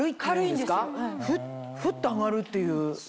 フッフッ！と上がるっていうね。